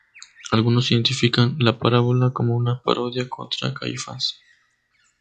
Algunos identifican la parábola como una parodia contra Caifás.